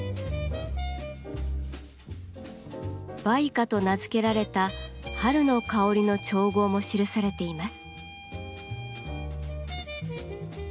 「梅花」と名付けられた春の香りの調合も記されています。